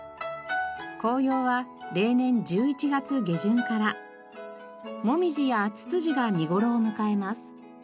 紅葉は例年１１月下旬からモミジやツツジが見頃を迎えます。